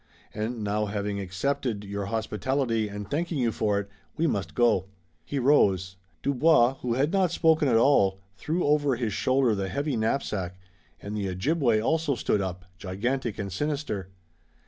And now having accepted your hospitality and thanking you for it, we must go." He rose. Dubois, who had not spoken at all, threw over his shoulder the heavy knapsack, and the Ojibway also stood up, gigantic and sinister.